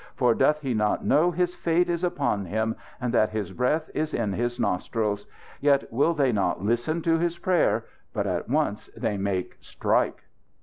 For doth he not know his fate is upon him and that his breath is in his nostrils? Yet will they not listen to his prayers; but at once they make 'strike.'